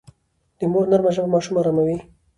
د مور نرمه ژبه ماشوم اراموي.